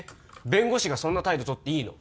弁護士がそんな態度取っていいの？